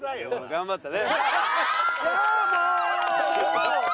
頑張ったね。